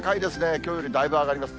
きょうよりだいぶ上がります。